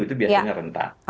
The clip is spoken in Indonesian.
itu biasanya rentah